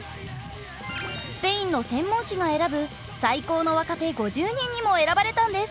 スペインの専門紙が選ぶ「最高の若手５０人」にも選ばれたんです。